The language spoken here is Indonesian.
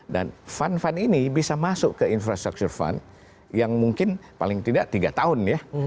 dan fund fund ini bisa masuk ke infrastructure fund yang mungkin paling tidak tiga tahun ya